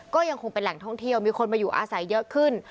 ก็ยังคงเป็นแหล่งท่องเที่ยวมีคนมาอยู่อาศัยเยอะขึ้น